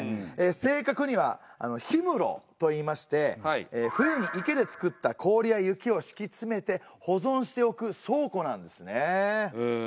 正確には「氷室」と言いまして冬に池で作った氷や雪を敷き詰めて保存しておく倉庫なんですね。